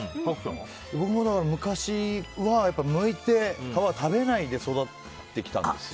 僕も昔はむいて皮を食べないで育ってきたんですよ。